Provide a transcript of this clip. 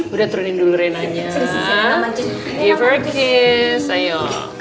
udah turunin dulu renanya give her a kiss ayo